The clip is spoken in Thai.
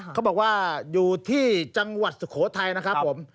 เขาบอกว่าอยู่ที่จังหวัดสุโขทัยนะครับผม